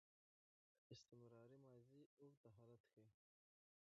استمراري ماضي اوږد حالت ښيي.